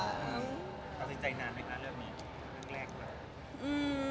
ต่อสินใจนานไหมคะเรื่องนี้เรื่องแรกหรือ